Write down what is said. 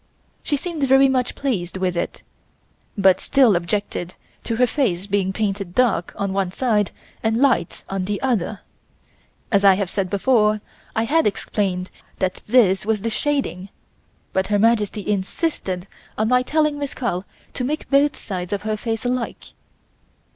She seemed very much pleased with it, but still objected to her face being painted dark on one side and light on the other. As I have said before, I had explained that this was the shading, but Her Majesty insisted on my telling Miss Carl to make both sides of her face alike.